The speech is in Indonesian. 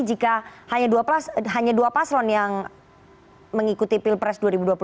jika hanya dua paslon yang mengikuti pilpres dua ribu dua puluh